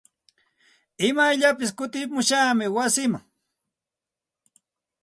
Imayllapis kutimushaqmi wasiiman.